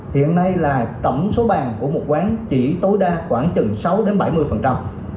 hiện nay là tổng số bàn của một quán chỉ tối đa khoảng chừng sáu đến bảy mươi